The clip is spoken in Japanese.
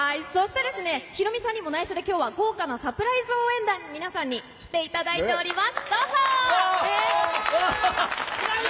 ヒロミさんにも内緒で豪華なサプライズ応援団の皆さんに来ていただいております。